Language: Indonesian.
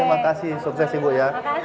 oke makasih sukses ibu ya